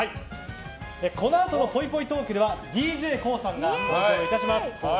このあとのぽいぽいトークではＤＪＫＯＯさんが登場いたします。